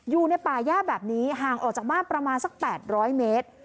อยู่ในป่าย่าแบบนี้ห่างออกจากบ้านประมาณสัก๘๐๐เมตร